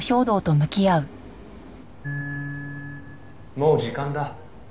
「もう時間だ」